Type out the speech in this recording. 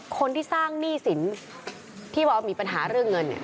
คนที่สร้างหนี้สินที่ว่ามีปัญหาเรื่องเงินเนี่ย